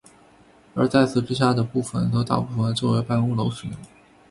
而在此之下的部分则大部分作为办公楼使用。